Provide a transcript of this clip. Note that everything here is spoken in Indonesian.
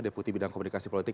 deputi bidang komunikasi politik